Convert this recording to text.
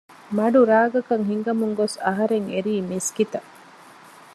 މަޑު ރާގަކަށް ހިނގަމުން ގޮސް އަހަރެން އެރީ މިސްކިތަށް